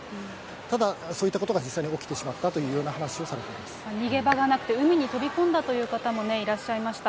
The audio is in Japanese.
ただ、そういったことが実際に起きてしまったようだという話をされてい逃げ場がなくて、海に飛び込んだという方もいらっしゃいました。